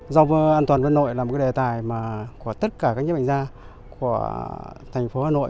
do an toàn quân nội là một cái đề tài mà của tất cả các nhếp ảnh gia của thành phố hà nội